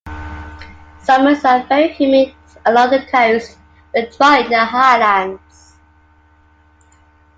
Summers are very humid along the coast but dry in the highlands.